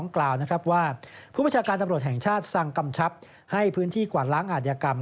กล่าวนะครับว่าผู้บัญชาการตำรวจแห่งชาติสั่งกำชับให้พื้นที่กวาดล้างอาธิกรรม